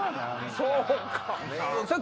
そうか？